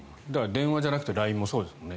電話じゃなくてＬＩＮＥもそうですよね。